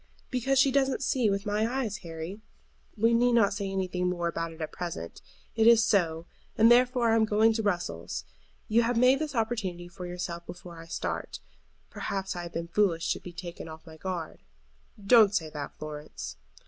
"Because she doesn't see with my eyes, Harry. We need not say anything more about it at present. It is so; and therefore I am to go to Brussels. You have made this opportunity for yourself before I start. Perhaps I have been foolish to be taken off my guard." "Don't say that, Florence."